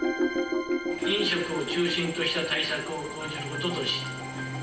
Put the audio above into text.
飲食を中心とした対策を講じることとし。